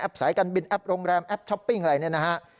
สายการบินแอปโรงแรมแอปช้อปปิ้งอะไรเนี่ยนะฮะ